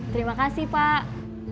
terima kasih pak